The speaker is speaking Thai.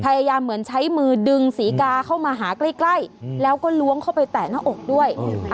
พยายามเหมือนใช้มือดึงสีกาเข้ามาหาใกล้ใกล้อืมแล้วก็ล้วงเข้าไปแตะหน้าอกด้วยเออ